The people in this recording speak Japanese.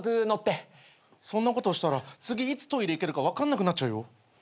そんなことしたら次いつトイレ行けるか分かんなくなっちゃうよ？